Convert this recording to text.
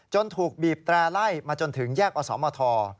ถูกบีบแตร่ไล่มาจนถึงแยกอสมท